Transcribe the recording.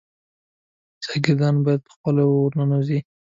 شاګردان باید په خپله ورننوزي.